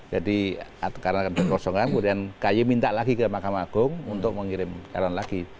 jadi karena akan terkosongan kemudian ky minta lagi ke mahkamah agung untuk mengirim calon lagi